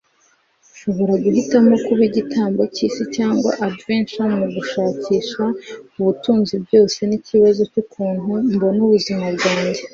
nshobora guhitamo kuba igitambo cyisi cyangwa adventure mugushakisha ubutunzi byose ni ikibazo cyukuntu mbona ubuzima bwanjye